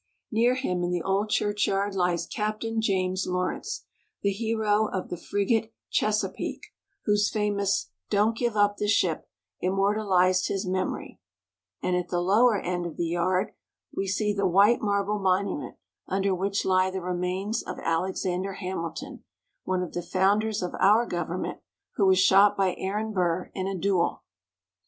Near him in the old churchyard lies Capt. James Law rence, the hero of the frigate Chesa peake, whose famous " Don't give up the Ship " immortal ized his memory ; and at the lower end of the yard we see the white marble monument under which lie the remains of Alexander Hamilton, one of the founders of our government, who was shot by Aaron Burr in a duel.